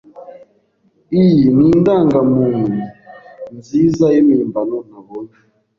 Iyi nindangamuntu nziza yimpimbano nabonye.